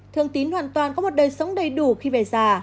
thường tín hoàn toàn có một đời sống đầy đủ khi về già